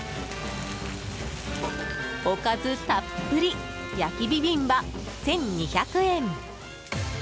おかずたっぷり焼きビビンバ１２００円。